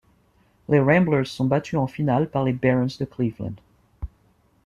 Les Ramblers sont battus en finale par les Barons de Cleveland.